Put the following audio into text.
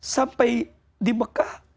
sampai di mekah